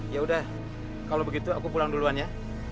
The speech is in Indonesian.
ya udah kalau begitu aku pulang duluan ya